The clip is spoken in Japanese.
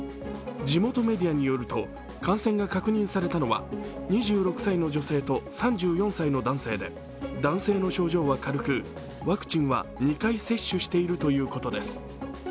地元メディアによると、感染が確認されたのは２６歳の女性と３４歳の男性で、男性の症状は軽くワクチンは２回接種しているということです。